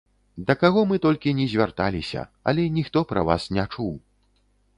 Да каго мы толькі ні звярталіся, але ніхто пра вас не чуў.